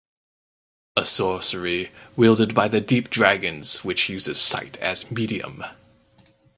A sorcery wielded by the Deep Dragons which uses sight as medium.